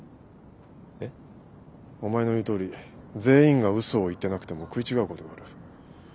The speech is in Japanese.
えっ？お前の言うとおり全員が嘘を言ってなくても食い違うことがある。